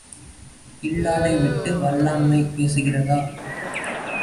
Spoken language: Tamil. இல்லாளை விட்டு வல்லாண்மை பேசுகிறதா?